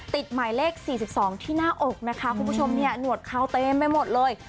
หมายเลข๔๒ที่หน้าอกนะคะคุณผู้ชมเนี่ยหนวดเขาเต็มไปหมดเลย